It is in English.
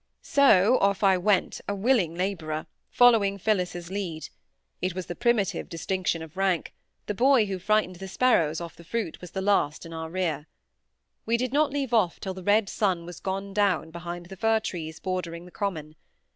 So off I went, a willing labourer, following Phillis's lead; it was the primitive distinction of rank; the boy who frightened the sparrows off the fruit was the last in our rear. We did not leave off till the red sun was gone down behind the fir trees bordering the common.